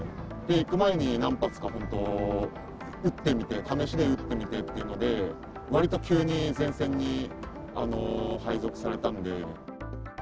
行く前に何発か、本当、撃ってみて、試しで撃ってみてっていうので、わりと急に前線に配属されたんで。